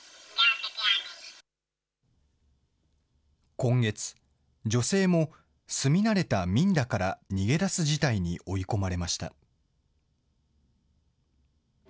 今月、女性も住み慣れたミンダから逃げ出す事態に追い込まれました。